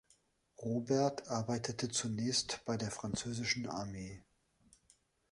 Robert arbeitete zunächst bei der französischen Armee.